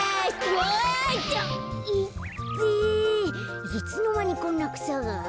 いつのまにこんなくさが？